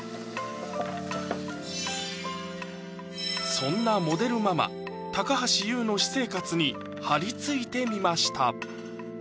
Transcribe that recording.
そんなモデルママ・高橋ユウの私生活に張り付いてみました